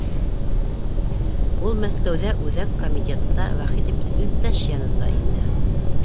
— Ул Мәскәүҙә, Үҙәк Комитетта, Вахитов иптәш янында ине.